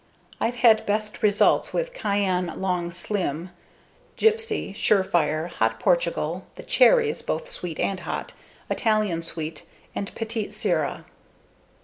I've had best results with Cayenne Long Slim, Gypsie, Surefire, Hot Portugal, the "cherries" both sweet and hot, Italian Sweet, and Petite Sirah.